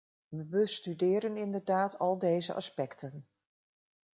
We bestuderen inderdaad al deze aspecten.